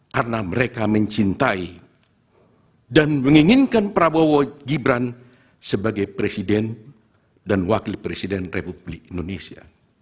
karena mereka mencintai dan menginginkan prabowo gibran sebagai presiden dan wakil presiden republik indonesia